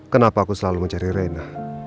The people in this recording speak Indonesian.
kenapa aku selalu mencari reina